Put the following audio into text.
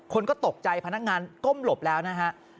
คนก็ตกใจพนักงานก้มหลบแล้วนะฮะ